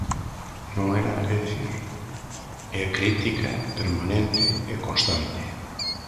¿Non hai nada que dicir? É crítica permanente e constante.